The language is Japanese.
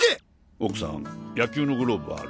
奥さん野球のグローブある？